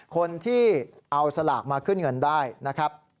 คนที่เอาสลากมาขึ้นเงินได้นะครับ